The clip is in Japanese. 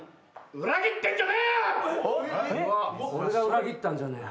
俺が裏切ったんじゃねえ。